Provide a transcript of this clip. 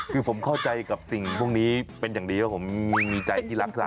คือผมเข้าใจกับสิ่งพวกนี้เป็นอย่างดีว่าผมมีใจที่รักษา